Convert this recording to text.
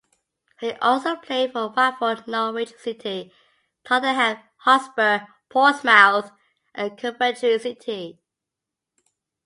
He also played for Watford, Norwich City, Tottenham Hotspur, Portsmouth and Coventry City.